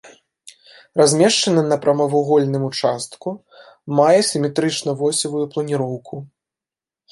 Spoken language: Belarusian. Размешчаны на прамавугольным участку, мае сіметрычна-восевую планіроўку.